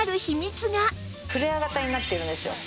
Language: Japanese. フレア型になっているんですよ。